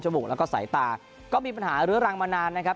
มูกแล้วก็สายตาก็มีปัญหาเรื้อรังมานานนะครับ